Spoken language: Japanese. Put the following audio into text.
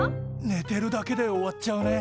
ねてるだけで終わっちゃうね。